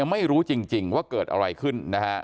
ไม่รู้จริงว่าเกิดอะไรขึ้นนะฮะ